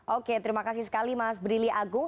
oke terima kasih sekali mas brili agung